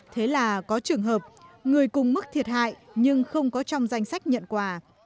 thế là có trường hợp người cùng mức thiệt hại nhưng không có trong danh sách nhận quà